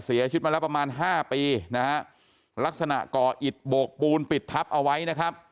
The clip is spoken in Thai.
เสียชีวิตมาแล้วประมาณห้าปีนะฮะลักษณะก่ออิดโบกปูนปิดทับเอาไว้นะครับ